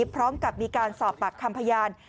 พร้อมกับมีการสอบปากคำพยาน